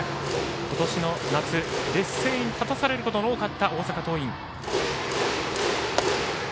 今年の夏、劣勢に立たされることが多かった大阪桐蔭。